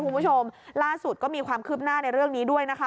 คุณผู้ชมล่าสุดก็มีความคืบหน้าในเรื่องนี้ด้วยนะคะ